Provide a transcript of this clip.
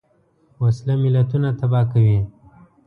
وسله ملتونه تباه کوي